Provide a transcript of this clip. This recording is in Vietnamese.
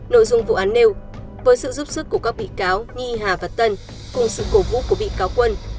nội dung vụ án nêu với sự giúp sức của các bị cáo nhi hà và tân cùng sự cổ vũ của bị cáo quân